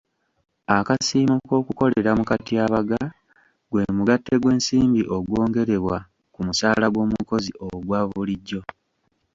Akasiimo k'okukolera mu katyabaga gwe mugatte gw'ensimbi ogw'ongerebwa ku musaala gw'omukozi ogwa bulijjo.